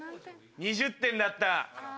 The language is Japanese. ２０点だった。